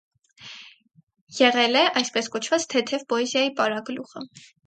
Եղել է, այսպես կոչված, «թեթև պոեզիայի» պարագլուխը։